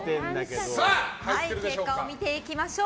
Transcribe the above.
結果を見ていきましょう。